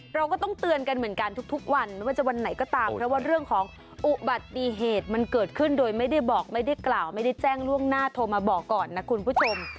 เราก็ต้องเตือนกันเหมือนกันทุกวันไม่ว่าจะวันไหนก็ตามเพราะว่าเรื่องของอุบัติเหตุมันเกิดขึ้นโดยไม่ได้บอกไม่ได้กล่าวไม่ได้แจ้งล่วงหน้าโทรมาบอกก่อนนะคุณผู้ชม